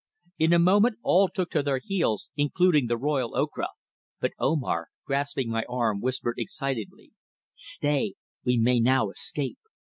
In a moment all took to their heels, including the royal Ocra, but Omar, grasping my arm, whispered excitedly: "Stay. We may now escape."